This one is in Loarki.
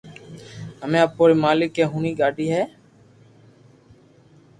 ھمي اپو ري مالڪ اي ھوڻي ڪاڌي ھي